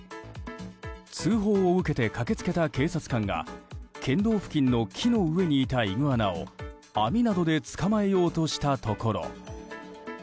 通報を受けて駆け付けた警察官が県道付近の木の上にいたイグアナを網などで捕まえようとしたところ。